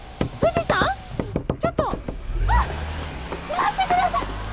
待ってください！